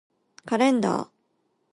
カレンダー